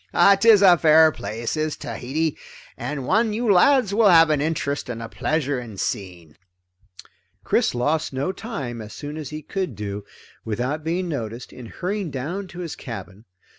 "'Tis a fair place, is Tahiti, and one you lads will have an interest and a pleasure in seeing." Chris lost no time, as soon as he could do it without being noticed, in hurrying down to his cabin.